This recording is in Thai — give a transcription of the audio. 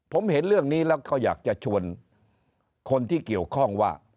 ผมเห็นเรื่องนี้แล้วก็อยากจะชวนคนที่เกี่ยวข้องว่า